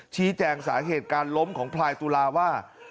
ชี้แจงสาเหตุการล้มของพลายตุลาว่า